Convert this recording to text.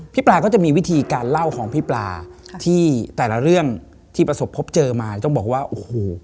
ปลาก็จะมีวิธีการเล่าของพี่ปลาที่แต่ละเรื่องที่ประสบพบเจอมาต้องบอกว่าโอ้โห